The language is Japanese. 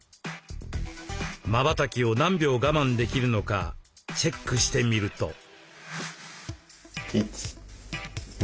まばたきを何秒我慢できるのかチェックしてみると。